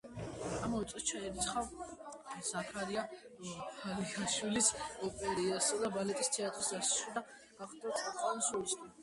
ამავე წელს ჩაირიცხა ზაქარია ფალიაშვილის ოპერისა და ბალეტის თეატრის დასში და გახდა წამყვანი სოლისტი.